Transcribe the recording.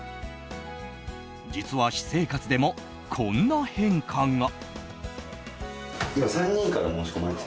実は私生活でもこんな変化が。